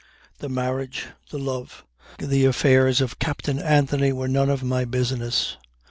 The marriage, the love, the affairs of Captain Anthony were none of my business.